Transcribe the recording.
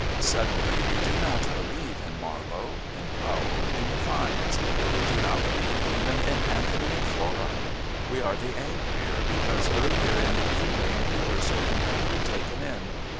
Suddenly we do not believe in Marlowe, in Powell, in the Fynes: we do not believe even in Anthony and Flora. We are the angrier because earlier in the evening we were so completely taken in.